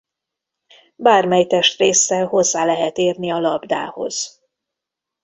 Bármely testrésszel hozzá lehet érni a labdához.